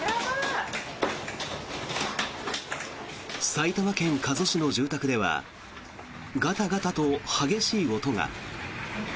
埼玉県加須市の住宅ではガタガタと激しい音が。